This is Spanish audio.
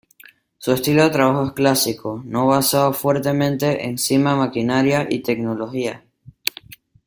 Su estilo de trabajo es clásico, no basado fuertemente encima maquinaria y tecnología.